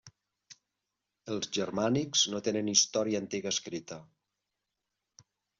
Els germànics no tenen història antiga escrita.